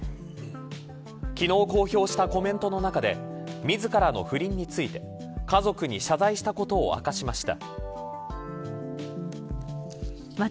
昨日公表したコメントの中で自らの不倫について家族に謝罪した事を明かしました。